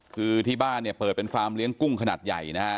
คือที่บ้านเนี่ยเปิดเป็นฟาร์มเลี้ยงกุ้งขนาดใหญ่นะฮะ